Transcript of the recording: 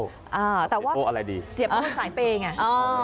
แต่ว่าเสียโป้อะไรดีเสียโป้สายเปย์ไง